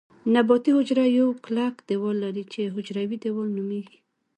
نباتي حجره یو کلک دیوال لري چې حجروي دیوال نومیږي